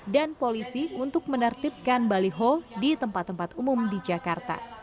dan polisi untuk menertibkan balikho di tempat tempat umum di jakarta